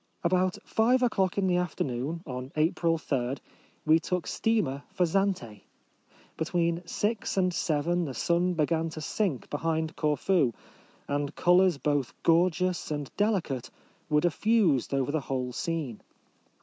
About five o'clock in the after noon, on April 3, we took steamer for Zante. Between six and seven the sun began to sink behind Corfu, and colours both gorgeous and deli cate were diffused over the whole scene.